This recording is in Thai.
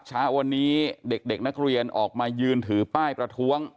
เช้าวันนี้เด็กนักเรียนออกมายืนถือป้ายประท้วง